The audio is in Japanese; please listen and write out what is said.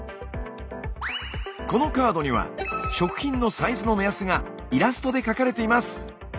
このカードには食品のサイズの目安がイラストで描かれています。